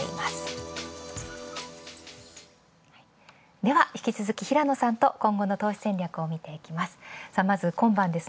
では引き続き平野さんと今後の投資戦略を見ていきます。